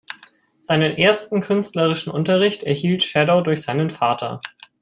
Seinen ersten künstlerischen Unterricht erhielt Schadow durch seinen Vater.